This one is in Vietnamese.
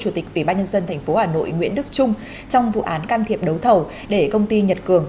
chủ tịch ủy ban nhân dân tp hà nội nguyễn đức trung trong vụ án can thiệp đấu thầu để công ty nhật cường